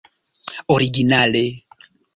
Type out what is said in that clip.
originale